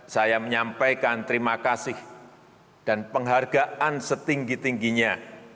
saya menyampaikan terima kasih dan penghargaan setinggi tingginya